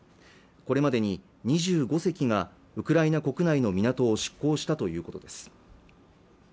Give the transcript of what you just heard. これまでに２５隻がウクライナ国内の港を出港したということです